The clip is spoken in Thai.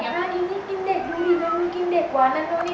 หน้านี้นี่กินเด็กดูดีแล้วมันกินเด็กวะนั่นดูดี